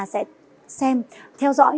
sẽ xem theo dõi